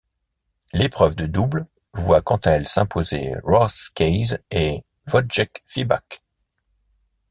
L'épreuve de double voit quant à elle s'imposer Ross Case et Wojtek Fibak.